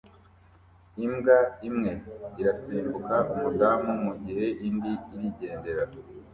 Imbwa imwe irasimbuka umudamu mugihe indi irigendera